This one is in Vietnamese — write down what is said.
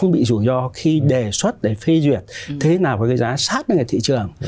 ví dụ do khi đề xuất để phi duyệt thế nào với cái giá sát với người thị trường